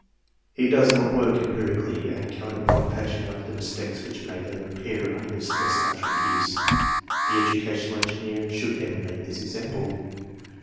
He does not work empiri cally, and count upon patching up the mistakes which may later appear under the stress of actual use. The educational engineer should emulate this example.